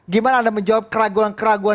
gimana anda menjawab keraguan keraguan